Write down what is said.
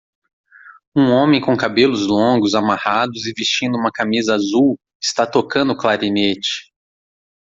Um homem com cabelos longos amarrados e vestindo uma camisa azul está tocando clarinete.